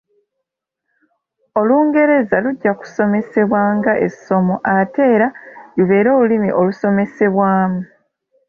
Olungereza lujja kusomesebwa nga essomo ate era lubeere olulimi olusomesebwamu.